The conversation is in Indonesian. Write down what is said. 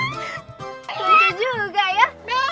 jujur juga ya